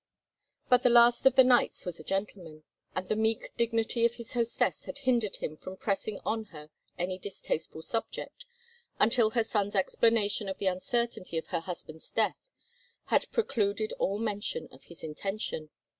But the Last of the Knights was a gentleman, and the meek dignity of his hostess had hindered him from pressing on her any distasteful subject until her son's explanation of the uncertainty of her husband's death had precluded all mention of this intention.